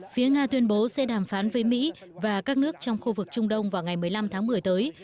phía nga tuyên bố sẽ đàm phán với mỹ và các nước trong khu vực trung đông vào ngày một mươi năm tháng một mươi tới